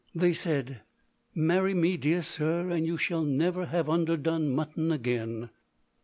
They said, "Marry me, dear sir, and you shall never have underdone mutton again."